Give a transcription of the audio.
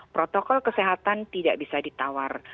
protokol kesehatan tidak bisa ditawar